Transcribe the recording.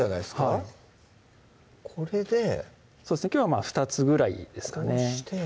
はいこれできょうは２つぐらいですかね